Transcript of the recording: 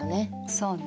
そうね。